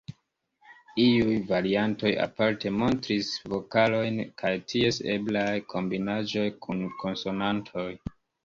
Iuj variantoj aparte montris vokalojn kaj ties eblaj kombinaĵoj kun konsonantoj.